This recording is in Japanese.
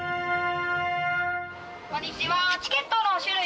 こんにちは。